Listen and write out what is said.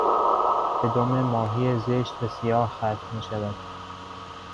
به دم ماهی زشت و سیاه ختم شود